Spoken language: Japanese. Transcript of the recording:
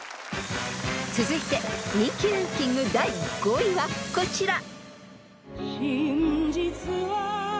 ［続いて人気ランキング第５位はこちら］